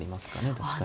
確かに。